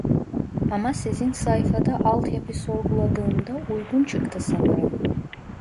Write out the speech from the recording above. Ama sizin sayfada alt yapı sorguladığımda, uygun çıktı sanırım.